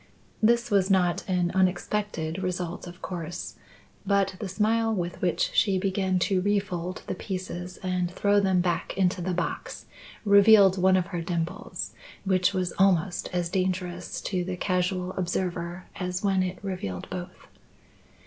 This was not an unexpected result of course, but the smile with which she began to refold the pieces and throw them back into the box, revealed one of her dimples which was almost as dangerous to the casual observer as when it revealed both.